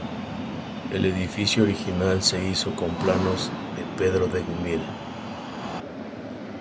El edificio original se hizo con planos de Pedro de Gumiel.